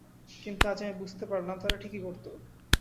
কিন্তু আজ আমি বুঝতে পারলাম, তারা ঠিকই করতো।